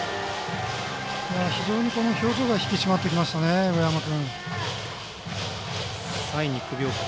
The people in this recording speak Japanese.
非常に表情が引き締まってきました、上山君。